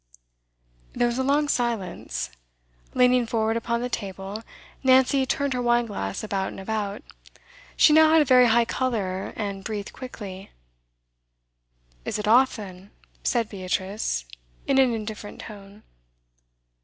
There was a long silence. Leaning forward upon the table, Nancy turned her wine glass about and about. She now had a very high colour, and breathed quickly. 'Is it off, then?' said Beatrice, in an indifferent tone.